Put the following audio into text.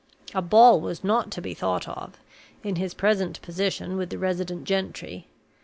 A ball was not to be thought of, in his present position with the resident gentry.